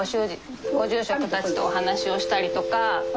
ご住職たちとお話しをしたりとか。